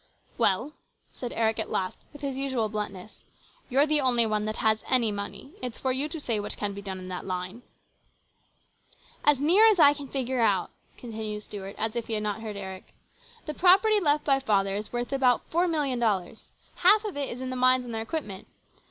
" Well," said Eric at last, with his usual bluntness, " you're the only one that has any money. It's for you to say what can be done in that line." " As near as I can figure out," continued Stuart as if he had not heard Eric, " the property left by father is worth about four million dollars. Half of it is in the mines and their equipment.